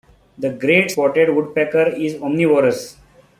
The great spotted woodpecker is omnivorous.